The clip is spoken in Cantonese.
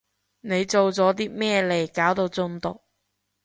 你做咗啲咩嚟搞到中毒？